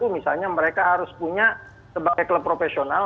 misalnya mereka harus punya sebagai klub profesional